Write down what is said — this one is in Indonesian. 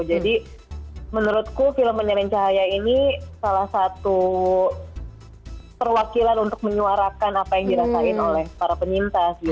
jadi menurutku film penyalin cahaya ini salah satu perwakilan untuk menyuarakan apa yang dirasain oleh para penyintas gitu